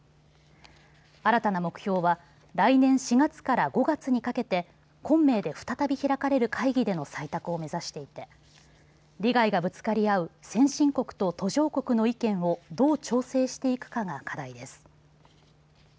新たな目標は来年４月から５月にかけて昆明で再び開かれる会議での採択を目指していて利害がぶつかり合う先進国と途上国の意見をどう調整していくかが課題です。